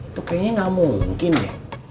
itu kayaknya nggak mungkin ya